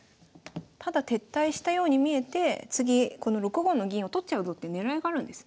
ただ撤退したように見えて次この６五の銀を取っちゃうぞって狙いがあるんですね。